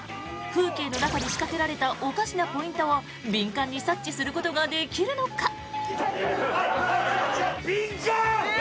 風景の中に仕掛けられたおかしなポイントをビンカンに察知することができるのか？